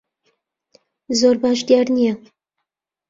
زۆر باش دیار نییە.